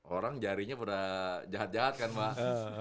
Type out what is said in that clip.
orang jarinya pada jahat jahat kan pak